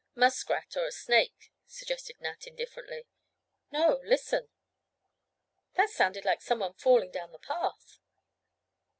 "Muskrat or a snake," suggested Nat indifferently. "No, listen! That sounded like someone falling down the path."